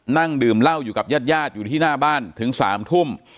นั่งดื่มเหล้าอยู่กับญาติญาติอยู่ที่หน้าบ้านถึง๓ทุ่ม